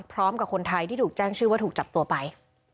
พร้อมกับคนไทยที่ถูกแจ้งชื่อว่าถูกจับตัวไป